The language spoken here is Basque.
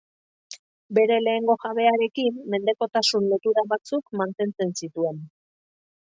Bere lehengo jabearekin mendekotasun lotura batzuk mantentzen zituen.